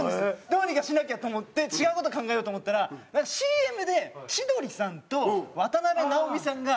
どうにかしなきゃと思って違う事考えようと思ったらＣＭで千鳥さんと渡辺直美さんが。